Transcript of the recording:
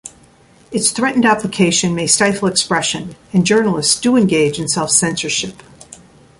Its threatened application may stifle expression and journalists do engage in self-censorship.